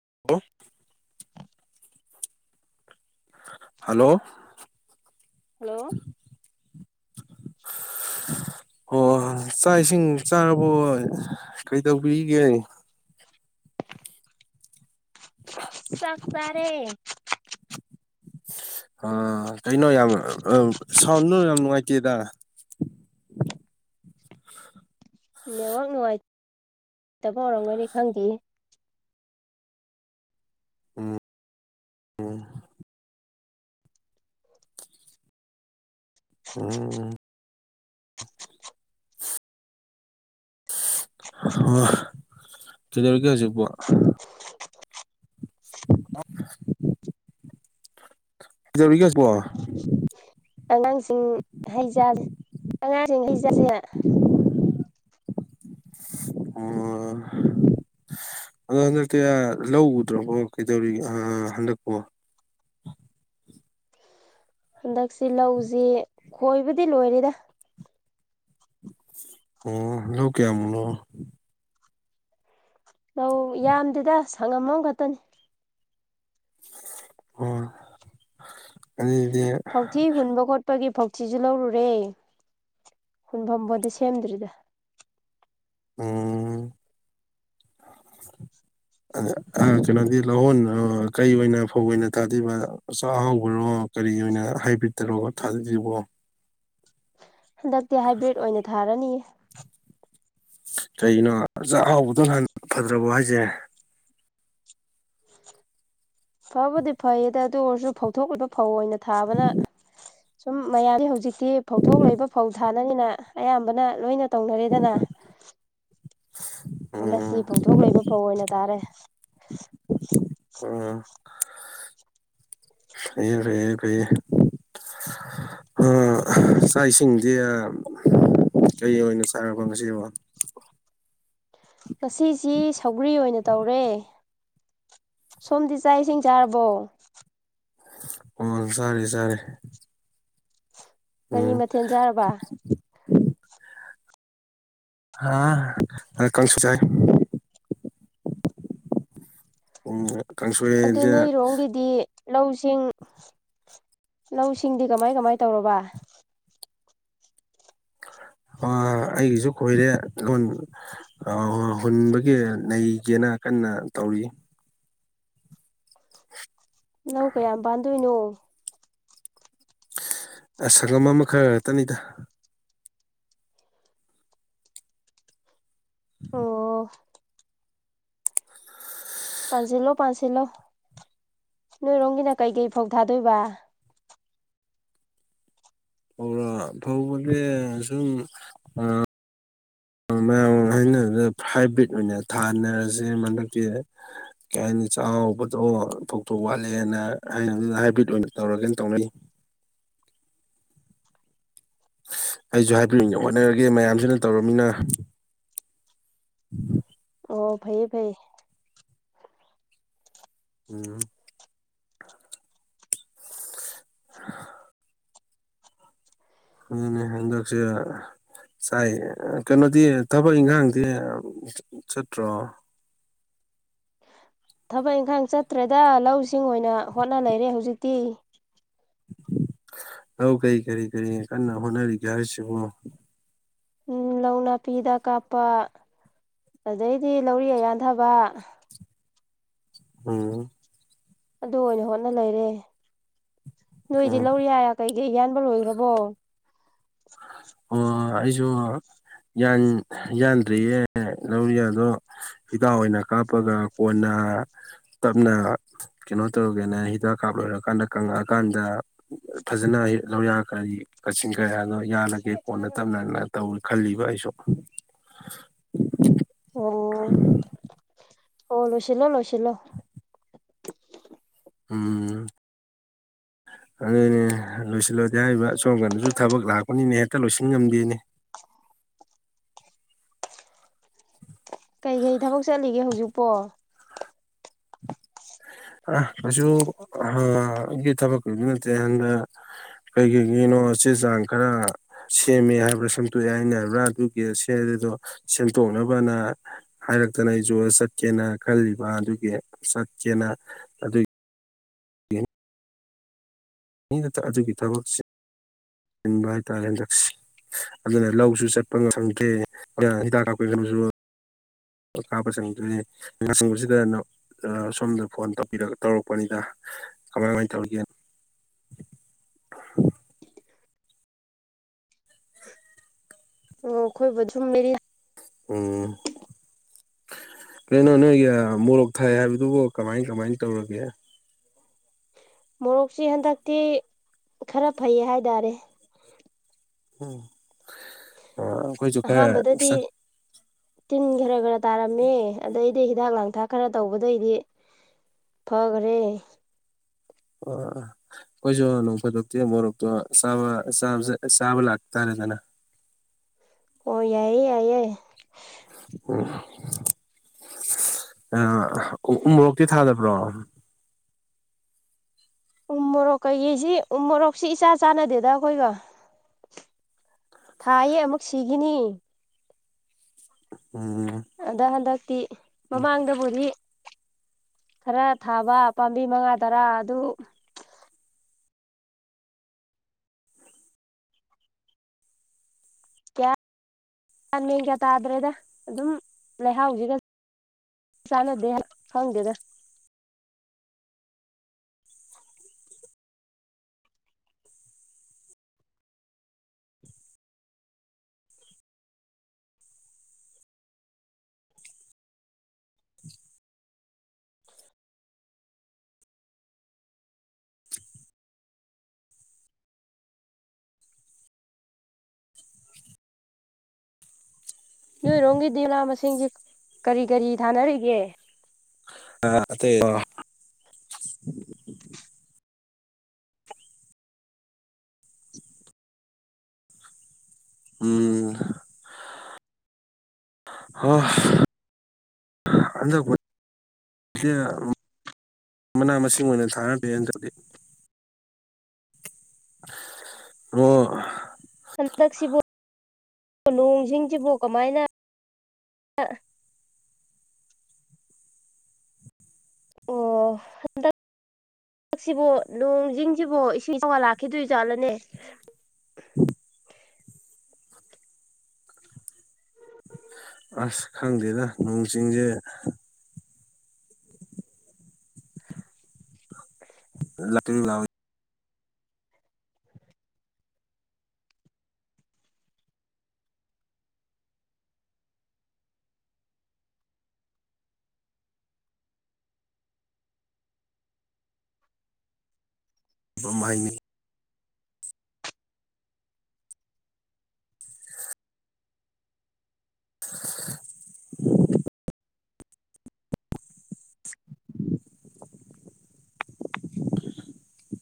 [unintelligible] hello hello [inaudible] ꯍꯣ ꯆꯥꯛ ꯏꯁꯤꯡ ꯆꯥꯔꯕꯣ ꯀꯩ ꯇꯧꯕꯤꯔꯤꯒꯦ ꯆꯥꯛꯆꯥꯔꯦ ꯑ ꯀꯩꯅꯣ ꯌꯥꯝ ꯁꯥꯎꯟꯗꯨ ꯌꯥꯝ ꯅꯨꯡꯉꯥꯏꯇꯦꯗ ꯅꯦꯠꯋꯥꯛ ꯅꯨꯡꯉꯥꯏꯇꯕ ꯑꯣꯏꯔꯝꯒꯅꯤ ꯈꯪꯗꯤꯌ‌ꯦ ꯑꯣ ꯑꯣ ꯀꯩꯗꯧꯔꯤꯒꯦ ꯍꯧꯖꯤꯛꯄꯣ ꯀꯩꯗꯧꯔꯤꯒꯦ [unintelligible] ꯑꯉꯥꯡꯁꯤꯡ ꯍꯩ ꯆꯥꯖꯦ ꯑꯉꯥꯡꯁꯤꯡ ꯍꯩꯖꯁꯦ ꯑꯣ ꯑꯗꯣ ꯍꯟꯗꯛꯇꯤ ꯂꯧ ꯎꯗ꯭ꯔꯕꯣ ꯀꯩꯗꯧꯔꯤ ꯍꯟꯗꯛꯄꯣ ꯍꯟꯗꯛꯁꯤ ꯂꯧꯖꯤ ꯈꯣꯏꯕꯗꯤ ꯂꯣꯏꯔꯦꯗ ꯑꯣ ꯂꯧ ꯀꯌꯃꯨꯛ ꯅꯣ ꯂꯧ ꯌꯥꯝꯗꯦꯗ ꯁꯪꯉꯝ ꯑꯝ ꯈꯇꯅꯤ ꯑꯣ ꯑꯗꯨꯗꯤ ꯐꯧꯊꯤ ꯍꯨꯟꯕ ꯈꯣꯠꯄꯒꯤ ꯐꯧ ꯊꯤꯖꯨ ꯂꯧꯔꯨꯔꯦ ꯍꯨꯟꯕꯝꯕꯨꯗꯤ ꯁꯦꯝꯗ꯭ꯔꯤꯗ ꯎꯝ ꯑ ꯀꯩꯅꯣꯗꯤ ꯂꯧꯍꯣꯟ ꯀꯔꯤ ꯑꯣꯏꯅ ꯐꯧ ꯑꯣꯏꯅ ꯊꯥꯗꯩꯕ ꯆꯥꯛꯑꯍꯥꯎꯕꯔꯣ ꯀꯔꯤ ꯑꯣꯏꯅ ꯍꯥꯏꯕꯤꯠꯇꯔꯣ ꯊꯥꯗꯣꯏꯖꯤꯕꯣ ꯍꯟꯗꯛꯇꯤ ꯍꯥꯏꯕ꯭ꯔꯤꯠ ꯑꯣꯏꯅ ꯊꯥꯔꯅꯤ ꯀꯩꯅꯣ ꯆꯥꯛꯍꯥꯎꯕꯗꯣ ꯍꯥꯟ ꯐꯖꯕꯣ ꯍꯥꯏꯁꯦ ꯐꯕꯨꯗꯤ ꯐꯩꯌꯦꯗ ꯑꯗꯨ ꯑꯣꯏꯔꯁꯨ ꯐꯥꯎꯊꯣꯛꯂꯤꯕ ꯐꯧ ꯑꯣꯏꯅ ꯊꯥꯕꯅ ꯁꯨꯝ ꯃꯌꯥꯝꯁ ꯍꯧꯖꯤꯛꯇꯤ ꯐꯧꯊꯣꯛ ꯂꯩꯕ ꯐꯧ ꯊꯥꯅꯅꯤꯅ ꯑꯌꯥꯝꯕꯅ ꯂꯣꯏꯅ ꯇꯧꯅꯔꯦꯗꯅ ꯍꯟꯗꯛꯇꯤ ꯎꯝ ꯐꯧꯊꯣꯛ ꯂꯩꯕ ꯐꯧ ꯑꯣꯏꯅ ꯇꯥꯔꯦ ꯑꯥ ꯐꯩꯌꯦ ꯐꯩꯌꯦ ꯐꯩꯌꯦ ꯆꯥꯛ ꯏꯁꯤꯡꯗꯤ ꯀꯩ ꯑꯣꯏꯅ ꯆꯥꯔꯕꯣ ꯉꯁꯤꯕꯣ ꯉꯁꯤꯁꯤ ꯁꯧꯒ꯭ꯔꯤ ꯑꯣꯏꯅ ꯇꯧꯔꯦ ꯁꯣꯝꯗꯤ ꯆꯥꯛ ꯏꯁꯤꯡ ꯆꯥꯔꯕꯣ ꯎꯝ ꯆꯥꯔ ꯆꯔꯦ ꯀꯔꯤ ꯃꯊꯦꯜ ꯆꯥꯔꯕ [inaudible] ꯍꯥ ꯀꯟꯁꯨ ꯆꯥꯏ ꯄꯨꯡꯖ‌ꯦ ꯑꯗꯨ ꯅꯣꯏꯔꯣꯝꯒꯤꯗꯤ ꯂꯧꯁꯤꯡ ꯂꯧꯁꯤꯡꯗꯤ ꯀꯃꯥꯏ ꯀꯃꯥꯏ ꯇꯧꯔꯕ ꯑ ꯑꯩꯒꯤꯁꯨ ꯀꯣꯏꯔꯦ ꯂꯣꯟ ꯍꯨꯟꯕꯒꯤ ꯅꯩꯒꯦꯅ ꯀꯟꯅ ꯇꯧꯔꯤ ꯂꯧ ꯀꯌꯥꯝ ꯄꯥꯟꯗꯣꯏꯅꯣ ꯑ ꯁꯪꯒꯝ ꯑꯃ ꯈꯔꯒꯛꯇꯅꯤꯗ ꯑꯣ ꯄꯥꯟꯁꯤꯜꯂꯣ ꯄꯥꯟꯁꯤꯜꯂꯣ ꯅꯣꯏꯔꯣꯝꯒꯤꯅ ꯀꯩꯀꯩ ꯐꯧ ꯊꯥꯗꯣꯏꯕ ꯐꯧꯔ‌ꯣ ꯐꯧꯕꯗꯤ ꯁꯨꯝ ꯃꯌꯥꯝ ꯍꯥꯏꯅꯕ ꯍꯥꯏꯕ꯭ꯔꯤꯠ ꯑꯣꯏꯅ ꯊꯥꯅꯔꯁꯦ ꯍꯟꯗꯛꯇꯤ ꯀꯩ ꯍꯥꯏꯅꯤ ꯆꯥꯎꯕꯗꯣ ꯐꯧꯇꯣꯛ ꯋꯥꯠꯂꯦꯅ ꯍꯥꯏ ꯍꯥꯏꯕ꯭ꯔꯤꯠ ꯑꯣꯏꯅ ꯇꯧꯔꯒꯦꯅ ꯇꯧꯅꯩ ꯑꯩꯁꯨ ꯍꯥꯏꯕꯤꯔꯛꯅꯦ ꯍꯣꯠꯅꯔꯒꯦ ꯃꯌꯥꯝꯁꯤꯅ ꯇꯧꯔꯕꯃꯤꯅ ꯑꯣ ꯐꯩꯌꯦ ꯐꯩ ꯎꯝ [inaudible] ꯑꯗꯨꯅꯦ ꯍꯟꯗꯛꯁꯦ ꯁꯋꯥꯏꯖꯦ ꯀꯩꯅꯣꯗꯤ ꯊꯕꯛ ꯏꯪꯈꯥꯡꯗꯤ ꯁꯠꯇ꯭ꯔꯣ ꯊꯕꯛ ꯏꯪꯈꯥꯡ ꯆꯠꯇ꯭ꯔꯦꯗ ꯂꯧꯁꯤꯡ ꯑꯣꯏꯅ ꯍꯣꯠꯅ ꯂꯩꯔꯦ ꯍꯧꯖꯤꯛꯇꯤ ꯑꯧ ꯀꯩ ꯀꯔꯤ ꯀꯔꯤ ꯀꯅ ꯍꯨꯅꯔꯤꯒꯦ ꯍꯥꯏꯁꯤ ꯍꯨ ꯎ ꯂꯧ ꯅꯥꯄꯤꯗ ꯀꯥꯞꯄ ꯑꯗꯩꯗꯤ ꯂꯧꯔꯤꯌꯥ ꯌꯥꯟꯊꯕ ꯑꯝ ꯑꯗꯨ ꯑꯣꯏꯅ ꯍꯣꯠꯅ ꯂꯩꯔꯦ ꯅꯣꯏꯗꯤ ꯑꯣ ꯂꯧꯔꯤ ꯌꯥ ꯀꯩ ꯑꯦ ꯏꯟꯕ ꯂꯣꯏꯈ꯭ꯔꯕꯣ ꯑꯣ ꯑꯩꯁꯨ ꯌꯥꯟꯗ꯭ꯔꯤꯌꯦ ꯂꯧꯔꯤꯌꯥꯗꯣ ꯍꯤꯗꯥꯛ ꯑꯣꯏꯅ ꯀꯥꯞꯄꯒ ꯀꯣꯟꯅ ꯇꯞꯅ ꯀꯩꯅꯣ ꯇꯧꯒꯦꯅ ꯍꯤꯗꯥꯛ ꯀꯥꯞ ꯂꯣꯏꯔꯀꯥꯟꯗ ꯀꯪꯉꯛꯑꯀꯥꯟꯗ ꯐꯖꯅ ꯂꯧꯌꯥ ꯀ ꯀꯥꯆꯤꯡ ꯀꯌꯥ ꯌꯥꯜꯂꯒꯦ ꯀꯣꯟꯅ ꯇꯞꯅꯅ ꯇꯧꯔꯤ ꯈꯜꯂꯤꯕ ꯑꯩꯁꯨ ꯑꯣ ꯑꯣ ꯂꯣꯏꯁꯤꯂꯣ ꯂꯣꯏꯁꯤꯂꯣ ꯎꯝ ꯑꯗꯨꯅꯦ ꯂꯣꯏꯁꯤꯜꯂꯗꯤ ꯍꯥꯏꯔꯤꯕ ꯁꯁꯣꯝ ꯅꯥꯀꯗꯁꯨ ꯊꯕꯛ ꯂꯥꯛꯄꯅꯤꯅꯦ ꯍꯦꯛꯇ ꯂꯣꯏꯁꯤꯜꯂ ꯉꯝꯗꯦꯅꯦ ꯀꯩꯀꯩ ꯊꯕꯛ ꯆꯠꯂꯤꯒꯦ ꯍꯧꯖꯤꯛꯄꯣ ꯑ ꯀꯩꯁꯨꯒꯤ ꯊꯕꯛꯄꯨꯗꯤ ꯅꯠꯇꯦ ꯍꯟꯗ ꯀꯩ ꯀꯩꯒꯤꯅꯣ ꯆꯦ ꯆꯥꯡ ꯈꯔ ꯁꯦꯝꯃꯦ ꯍꯥꯏꯕ꯭ꯔꯥ ꯁꯦꯝꯗꯣꯛꯑꯦ ꯍꯥꯏꯕ꯭ꯔꯥ ꯑꯗꯨꯒꯤ ꯁꯦꯝ ꯑꯗꯨꯗꯣ ꯁꯦꯝꯗꯣꯛꯅꯕꯅ ꯍꯥꯏꯔꯛꯇꯅ ꯑꯩꯖꯨ ꯆꯠꯀꯦꯅ ꯈꯜꯂꯤꯕ ꯑꯗꯨꯒꯤ ꯆꯦꯅꯥ ꯑꯗꯨ ꯑꯗꯨꯒꯤ ꯊꯕꯛ ꯆꯟꯕ ꯍꯥꯏꯇꯥꯔꯦ ꯍꯟꯗꯛꯁꯦ ꯑꯗꯨꯅ ꯂꯧꯁꯨ ꯆꯠꯄ ꯉꯍꯪꯗꯦ ꯍꯤꯗꯥꯛ ꯀꯥꯞꯄꯤꯅꯁꯨ ꯀꯥꯕ ꯆꯪꯗꯣꯏꯅꯦ ꯂ ꯆꯪꯕꯁꯤꯗ ꯁꯣꯝꯗ ꯐꯣꯟ ꯇꯧꯕꯔ ꯇꯧꯔꯛꯄꯅꯤꯗ ꯀꯃꯥꯏ ꯀꯃꯥꯏꯅ ꯇꯧꯔꯤꯒꯦꯅ ꯑꯣ ꯑꯩꯈꯣꯏꯕꯨꯖꯨꯝ ꯃꯦꯔꯤ ꯎꯝ ꯀꯩꯅꯣ ꯅꯣꯏꯒꯤ ꯃꯣꯔꯣꯛ ꯊꯥꯏ ꯍꯥꯏꯕꯗꯨꯕꯨ ꯀꯃꯥꯏ ꯀꯃꯥꯏ ꯇꯧꯔꯒꯦ ꯃꯣꯔꯣꯛꯁꯤ ꯍꯟꯗꯛꯇꯤ ꯈꯔ ꯐꯩꯌꯦ ꯍꯥꯏ ꯇꯔꯦ ꯎꯝ ꯑꯍꯥꯟꯕꯗꯗꯤ ꯇꯤꯟ ꯈꯔ ꯈꯔ ꯇꯥꯔꯝꯃꯦ ꯑꯗꯩꯗꯤ ꯍꯤꯗꯥꯛ ꯂꯥꯡ ꯄꯊꯥ ꯈꯔ ꯇꯧꯕꯗꯩꯗꯤ ꯐꯈꯔꯦ ꯑ ꯀꯣꯏꯁꯨ ꯅꯣꯡ ꯐꯗꯣꯛꯛꯇ ꯃꯣꯔꯣꯛꯇꯣ ꯁꯥꯕ ꯆꯥꯕꯥ ꯂꯥꯛꯇꯥꯔꯦꯗꯅ ꯑꯣ ꯌꯥꯏꯑꯌꯦ ꯌꯥꯏ ꯌꯥꯏ ꯑ ꯎꯣꯛꯇꯤ ꯊꯥꯗꯕ꯭ꯔꯣ ꯎ ꯃꯣꯔꯣꯛ ꯀꯩꯀꯩꯁꯤ ꯎ ꯃꯣꯔꯣꯛꯁꯤ ꯏꯆꯥ ꯆꯥꯟꯅꯗꯦꯗ ꯑꯩꯈꯣꯏꯒ ꯊꯥꯌꯦ ꯑꯃꯨꯛ ꯁꯤꯈꯤꯅꯤ ꯎꯝ ꯑꯗ ꯍꯟꯗꯛ ꯃꯃꯥꯡꯗꯕꯨꯗꯤ ꯈꯔ ꯊꯥꯕ ꯄꯥꯝꯕꯤ ꯃꯉꯥ ꯇꯔꯥ ꯑꯗꯨ ꯂꯥꯟ ꯃꯦꯟ ꯀꯌꯥ ꯇꯥꯗ꯭ꯔꯦꯗ ꯑꯗꯨꯝ ꯂꯩꯍꯥꯎꯁꯤꯒ ꯆꯥꯟꯅꯗꯦ ꯈꯪꯗꯦꯗ ꯅꯣꯏꯔꯣꯝꯒꯤ ꯗꯦꯂꯥ ꯃꯁꯤꯡꯁꯦ ꯀꯔꯤ ꯀꯔꯤ ꯊꯥꯅꯔꯤꯒꯦ ꯑꯗ [inaudible] ꯎꯝ ꯍꯣꯏ ꯍꯟꯗꯛ [unintelligible] ꯃꯅꯥ ꯃꯁꯤꯡ ꯑꯣꯏꯅ ꯊꯥꯅ ꯄꯦ ꯍꯟꯗꯛꯤ ꯑꯣ ꯍꯟꯗꯛꯁꯤꯕꯨ ꯅꯣꯡꯁꯤꯡꯁꯤꯕꯨ ꯀꯃꯥꯏꯅ ꯑꯣ ꯍꯟꯗꯛ ꯍꯟꯗꯛꯁꯤꯕꯣ ꯅꯣꯡꯖꯤꯡꯁꯤꯕꯨꯣ ꯏꯁꯤꯡ ꯆꯉ ꯂꯥꯛꯈꯤꯗꯣꯏꯖꯥꯠꯂꯅꯦ ꯑꯁ ꯈꯪꯗꯦꯗ ꯅꯣꯡ ꯆꯤꯡꯁꯦ ꯂꯇꯔꯤ ꯂ ꯍꯥꯏꯥꯏꯅꯤ [inaudible] [inaudible]